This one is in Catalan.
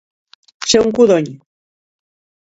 Ser un codony.